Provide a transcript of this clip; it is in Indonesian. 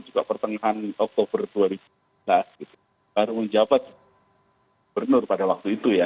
juga pertengahan oktober dua ribu dua belas baru menjawab benar pada waktu itu ya